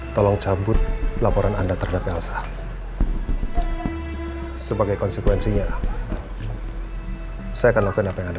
tolong cabut laporan anda terhadap elsa sebagai konsekuensinya saya akan lakukan apa yang anda